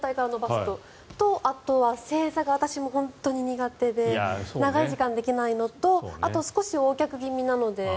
それと、あとは正座が私も本当に苦手で長い時間できないのとあと、少しＯ脚気味なので。